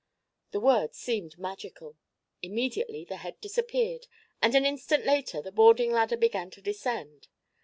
The word seemed magical. Immediately the head disappeared and an instant later the boarding ladder began to descend.